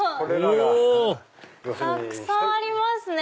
たくさんありますね！